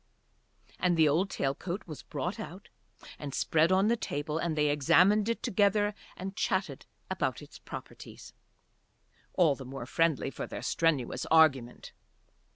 And the old tail coat was brought out and spread on the table, and they examined it together and chatted about its properties, all the more friendly for their strenuous argument.